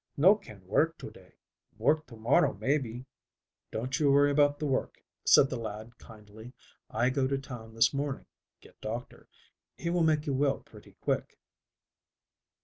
No can work to day. Work to morrow, maybe." "Don't you worry about the work," said the lad kindly. "I go to town this morning, get doctor. He will make you well pretty quick."